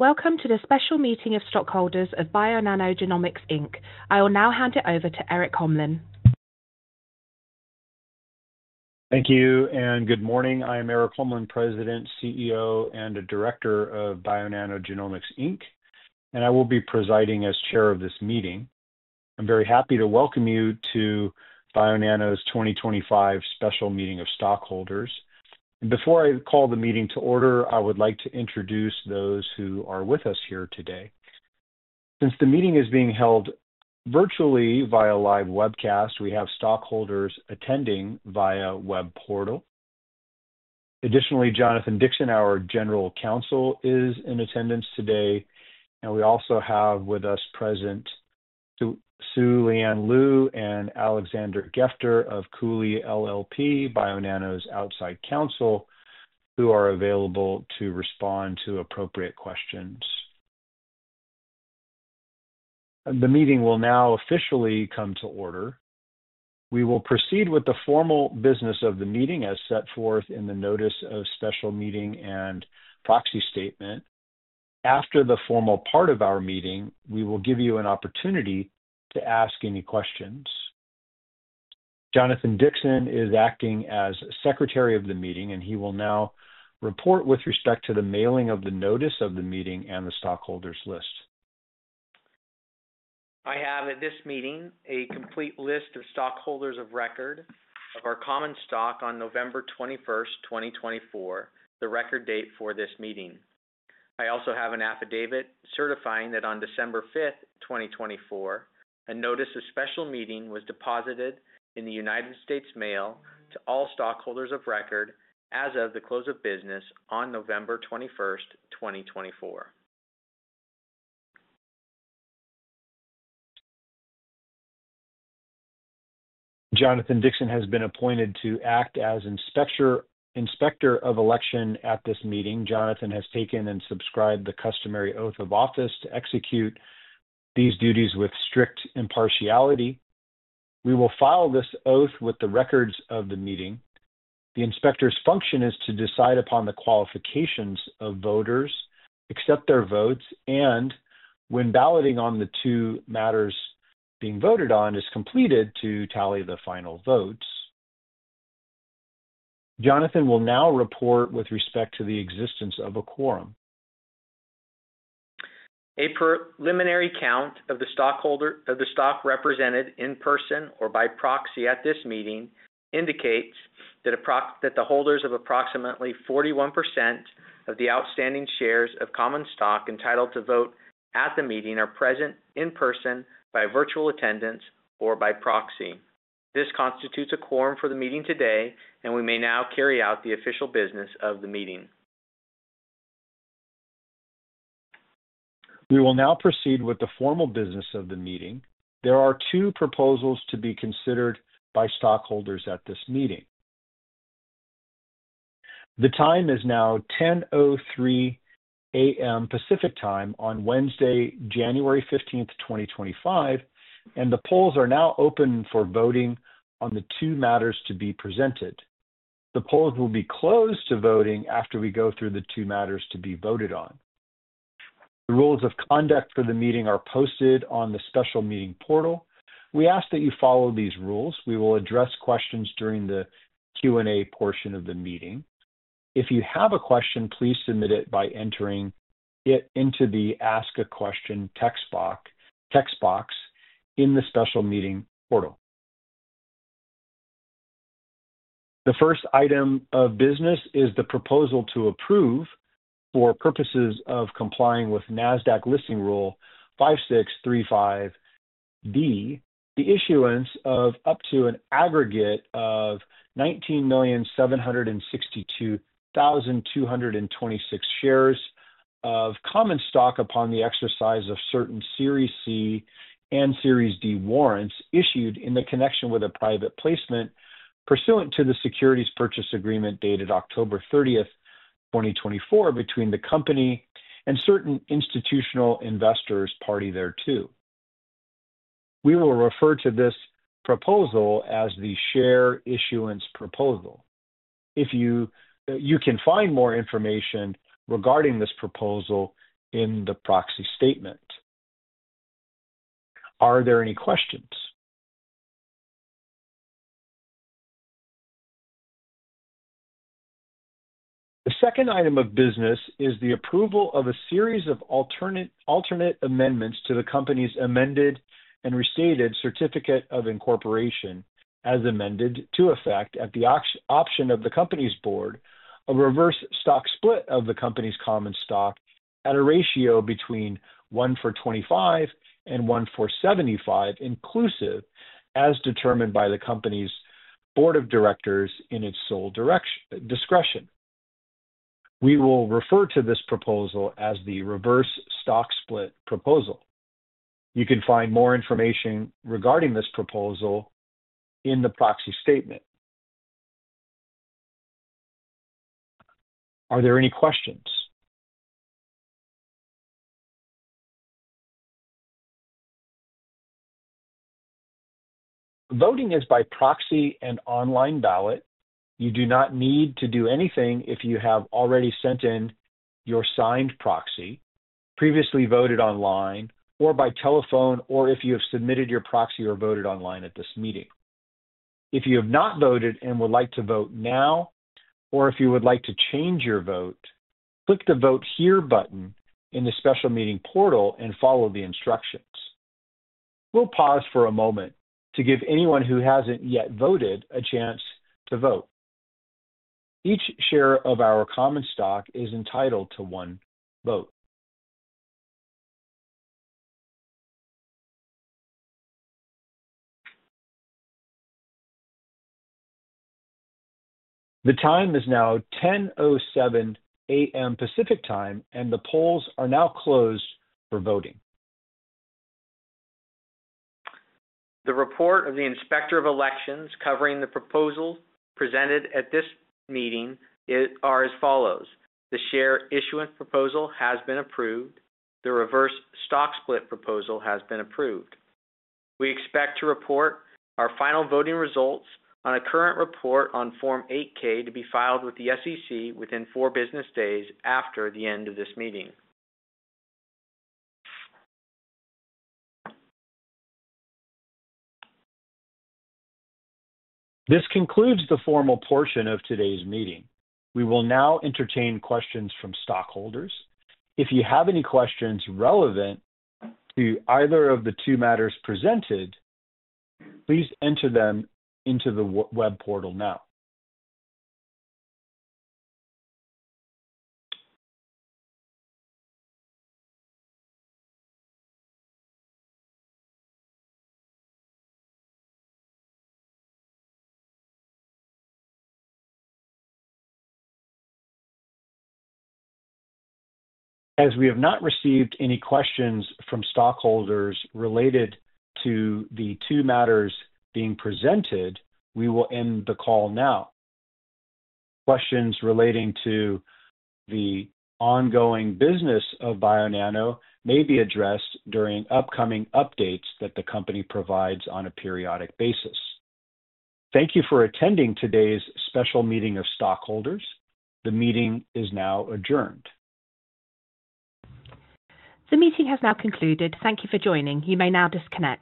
Welcome to the special meeting of stockholders of Bionano Genomics Inc. I will now hand it over to Erik Holmlin. Thank you, and good morning. I am Erik Holmlin, President, CEO, and Director of Bionano Genomics, Inc, and I will be presiding as Chair of this meeting. I'm very happy to welcome you to Bionano's 2025 special meeting of stockholders. Before I call the meeting to order, I would like to introduce those who are with us here today. Since the meeting is being held virtually via live webcast, we have stockholders attending via web portal. Additionally, Jonathan Dixon, our General Counsel, is in attendance today, and we also have with us present Sue Lianne Lu and Alexander Gefter of Cooley LLP, Bionano's outside counsel, who are available to respond to appropriate questions. The meeting will now officially come to order. We will proceed with the formal business of the meeting as set forth in the Notice of Special Meeting and Proxy Statement. After the formal part of our meeting, we will give you an opportunity to ask any questions. Jonathan Dixon is acting as Secretary of the meeting, and he will now report with respect to the mailing of the Notice of the Meeting and the stockholders' list. I have at this meeting a complete list of stockholders of record of our common stock on November 21, 2024, the record date for this meeting. I also have an affidavit certifying that on December 5th, 2024, a Notice of Special Meeting was deposited in the United States Mail to all stockholders of record as of the close of business on November 21, 2024. Jonathan Dixon has been appointed to act as Inspector of Election at this meeting. Jonathan has taken and subscribed the customary oath of office to execute these duties with strict impartiality. We will file this oath with the records of the meeting. The inspector's function is to decide upon the qualifications of voters, accept their votes, and when balloting on the two matters being voted on is completed to tally the final votes. Jonathan will now report with respect to the existence of a quorum. A preliminary count of the stock represented in person or by proxy at this meeting indicates that the holders of approximately 41% of the outstanding shares of common stock entitled to vote at the meeting are present in person by virtual attendance or by proxy. This constitutes a quorum for the meeting today, and we may now carry out the official business of the meeting. We will now proceed with the formal business of the meeting. There are two proposals to be considered by stockholders at this meeting. The time is now 10:03 A.M. Pacific Time on Wednesday, January 15th, 2025, and the polls are now open for voting on the two matters to be presented. The polls will be closed to voting after we go through the two matters to be voted on. The rules of conduct for the meeting are posted on the Special Meeting portal. We ask that you follow these rules. We will address questions during the Q&A portion of the meeting. If you have a question, please submit it by entering it into the Ask a Question text box in the Special Meeting portal. The first item of business is the proposal to approve, for purposes of complying with Nasdaq Listing Rule 5635(b), the issuance of up to an aggregate of 19,762,226 shares of common stock upon the exercise of certain Series C and Series D warrants issued in connection with a private placement pursuant to the securities purchase agreement dated October 30th, 2024, between the company and certain institutional investors party thereto. We will refer to this proposal as the Share Issuance Proposal. You can find more information regarding this proposal in the Proxy Statement. Are there any questions? The second item of business is the approval of a series of alternate amendments to the company's Amended and Restated Certificate of Incorporation as amended to effect, at the option of the company's Board of a reverse stock split of the company's common stock at a ratio between 1-for-25 and 1-for-75 inclusive, as determined by the company's Board of Directors in its sole discretion. We will refer to this proposal as the Reverse Stock Split Proposal. You can find more information regarding this proposal in the Proxy Statement. Are there any questions? Voting is by proxy and online ballot. You do not need to do anything if you have already sent in your signed proxy, previously voted online, or by telephone, or if you have submitted your proxy or voted online at this meeting. If you have not voted and would like to vote now, or if you would like to change your vote, click the Vote Here button in the special meeting portal and follow the instructions. We'll pause for a moment to give anyone who hasn't yet voted a chance to vote. Each share of our common stock is entitled to one vote. The time is now 10:07 A.M. Pacific Time, and the polls are now closed for voting. The report of the Inspector of Election covering the proposal presented at this meeting is as follows: The Share Issuance Proposal has been approved, the reverse stock split proposal has been approved. We expect to report our final voting results on a current report on Form 8-K to be filed with the SEC within four business days after the end of this meeting. This concludes the formal portion of today's meeting. We will now entertain questions from stockholders. If you have any questions relevant to either of the two matters presented, please enter them into the web portal now. As we have not received any questions from stockholders related to the two matters being presented, we will end the call now. Questions relating to the ongoing business of Bionano may be addressed during upcoming updates that the company provides on a periodic basis. Thank you for attending today's special meeting of stockholders. The meeting is now adjourned. The meeting has now concluded. Thank you for joining. You may now disconnect.